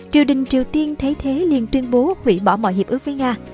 triều đình triều tiên thấy thế liền tuyên bố hủy bỏ mọi hiệp ước với nga